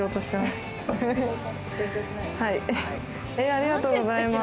ありがとうございます！